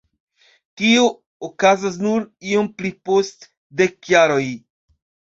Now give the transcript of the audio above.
Tio okazos nur iom pli post dek jaroj.